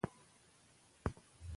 وزیر بابا ډېر مخکې دا درک کړې وه،